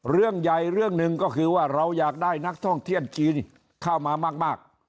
เรื่องใหญ่เรื่องหนึ่งก็คือว่าเราอยากได้นักท่องเที่ยวจีนเข้ามามาก